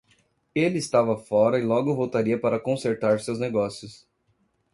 Ele estava fora e logo voltaria para consertar seus negócios.